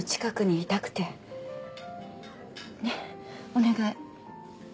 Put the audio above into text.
ねっお願い。